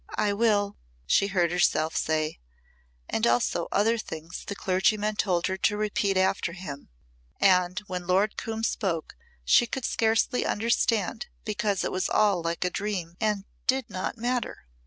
"I will," she heard herself say, and also other things the clergyman told her to repeat after him and when Lord Coombe spoke she could scarcely understand because it was all like a dream and did not matter.